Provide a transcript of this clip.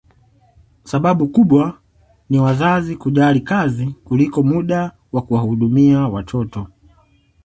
Sababu kubwa ni wazazi kujali kazi kuliko muda wa kuwahudumia watoto